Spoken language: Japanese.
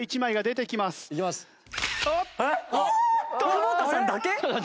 久保田さんだけ！？